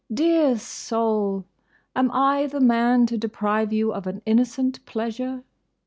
—Dear soul! Am I the man to deprive you of an innocent pleasure?